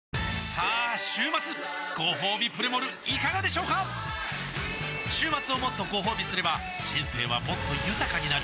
さあ週末ごほうびプレモルいかがでしょうか週末をもっとごほうびすれば人生はもっと豊かになる！